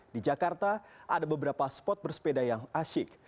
di jakarta ada beberapa spot bersepeda yang asyik